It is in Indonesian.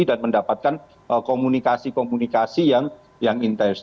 dan mendapatkan komunikasi komunikasi yang intens